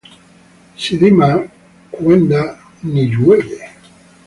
Sidimaa kwenda niw'uye.